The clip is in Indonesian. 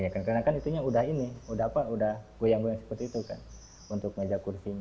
karena kursinya sudah goyang goyang seperti itu untuk meja kursinya